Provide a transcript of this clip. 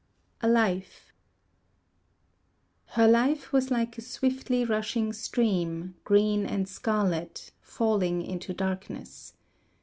A Life Her life was like a swiftly rushing stream Green and scarlet, Falling into darkness.